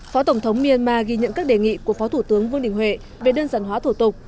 phó tổng thống myanmar ghi nhận các đề nghị của phó thủ tướng vương đình huệ về đơn giản hóa thủ tục